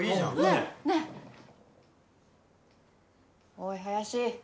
おい林